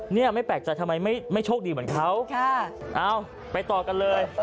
เนี่ยไม่แปลกใจทำไมไม่โชคดีเหมือนเขาไปต่อกันเลย